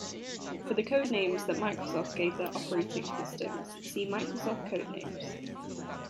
For the codenames that Microsoft gave their operating systems, see Microsoft codenames.